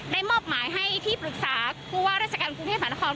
มอบหมายให้ที่ปรึกษาผู้ว่าราชการกรุงเทพมหานคร